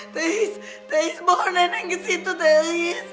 teris teris bawa nenek kesitu teris